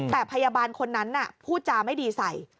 แต่พยาบาลคนนั้นพูดจาไม่ดีใส่